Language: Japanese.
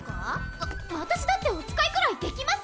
わ私だってお使いくらいできます！